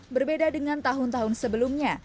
berbeda dengan tahun tahun sebelumnya